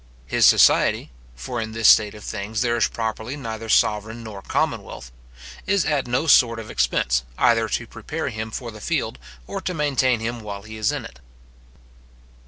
His society (for in this state of things there is properly neither sovereign nor commonwealth) is at no sort of expense, either to prepare him for the field, or to maintain him while he is in it.